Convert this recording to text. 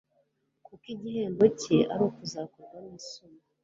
kuko igihembo cye ari ukuzakorwa n'isoni